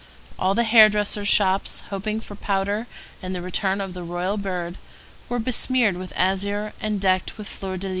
All the hairdressers' shops, hoping for powder and the return of the royal bird, were besmeared with azure and decked with fleurs de lys.